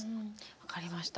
分かりました。